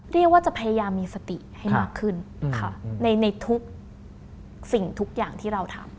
เรียกว่าจะพยายามมีสติให้มากขึ้นค่ะในทุกสิ่งทุกอย่างที่เราทำ